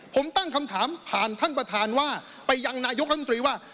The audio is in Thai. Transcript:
ผมตั้งคำถามผ่านท่านประธานว่าไปยังนายกรัฐมนตรีว่า